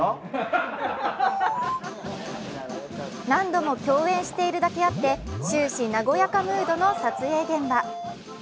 何度も共演しているだけあって、終始和やかムードの撮影現場。